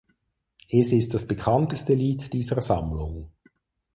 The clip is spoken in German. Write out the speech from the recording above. Es ist das bekannteste Lied dieser Sammlung.